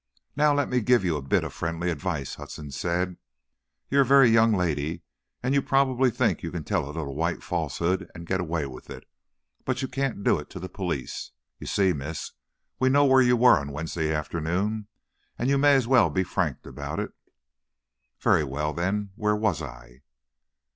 "Now, let me give you a bit of friendly advice," Hudson said, "you're a very young lady, and you prob'ly think you can tell a little white falsehood and get away with it, but you can't do it to the police. You see, miss, we know where you were on Wednesday afternoon, and you may as well be frank about it." "Very well, then, where was I?"